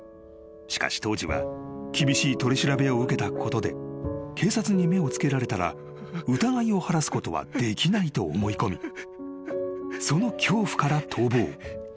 ［しかし当時は厳しい取り調べを受けたことで警察に目を付けられたら疑いを晴らすことはできないと思い込みその恐怖から逃亡。